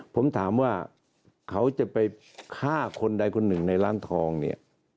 ผมถามว่าเขาจะไปฆ่าคนใดคนหนึ่งในร้านทองเนี่ย